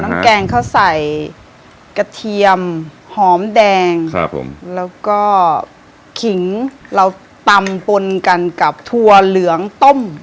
แกงเขาใส่กระเทียมหอมแดงครับผมแล้วก็ขิงเราตำปนกันกับถั่วเหลืองต้ม